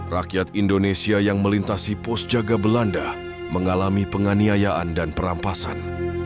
rakyat indonesia yang melintasi pos jaga belanda mengalami penganiayaan dan perampasan